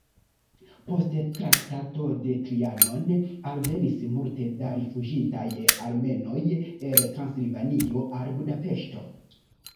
Post Traktato de Trianon alvenis multe da rifuĝintaj armenoj el Transilvanio al Budapeŝto.